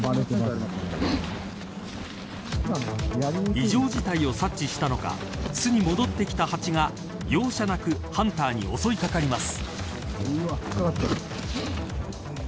異常事態を察知したのか巣に戻ってきたハチが容赦なくハンターに襲いかかります。